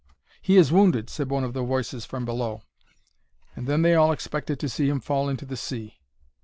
"He is wounded," said one of the voices from below; and then they all expected to see him fall into the sea.